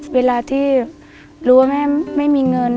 เวลาที่รู้ว่าแม่ไม่มีเงิน